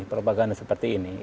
propaganda seperti ini